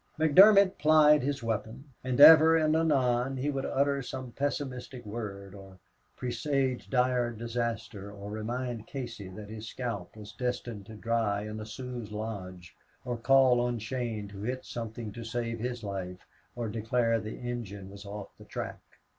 McDermott plied his weapon, and ever and anon he would utter some pessimistic word, or presage dire disaster, or remind Casey that his scalp was destined to dry in a Sioux's lodge, or call on Shane to hit something to save his life, or declare the engine was off the track.